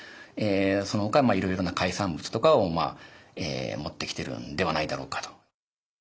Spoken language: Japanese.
そのほかいろいろな海産物とかを持ってきてるんではないだろうかと。